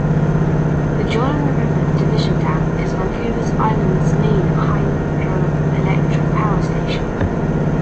The Jordan River Diversion Dam is Vancouver Island's main hydroelectric power station.